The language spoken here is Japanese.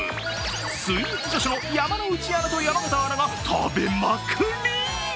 スイーツ女史のの山内アナと山形アナが食べまくり。